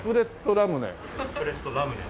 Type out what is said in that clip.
エスプレットラムネ。